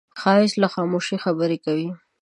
ښایست له خاموشۍ خبرې کوي